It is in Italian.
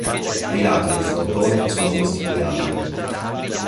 Ai lati del frontone sono posti due angeli.